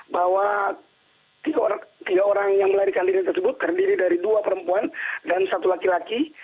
bahwa tiga orang yang melarikan diri tersebut terdiri dari dua perempuan dan satu laki laki